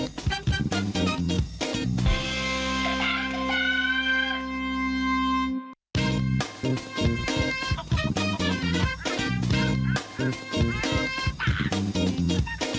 ข้าวไทยไทย